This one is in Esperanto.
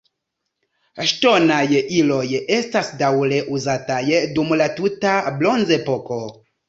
Ŝtonaj iloj estas daŭre uzataj dum la tuta bronzepoko.